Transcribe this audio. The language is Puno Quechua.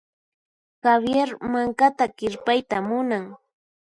Javier mankata kirpayta munan.